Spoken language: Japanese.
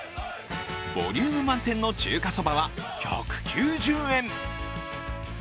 ボリューム満点の中華そばは１９０円。